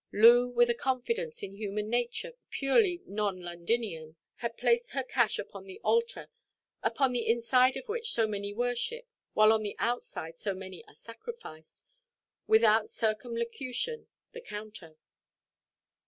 Loo, with a confidence in human nature purely non–Londinian, had placed her cash upon the altar, upon the inside of which so many worship, while on the outside so many are sacrificed; without circumlocution, the counter.